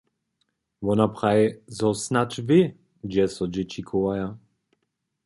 Wona praji, zo snadź wě, hdźe so dźěći chowaja.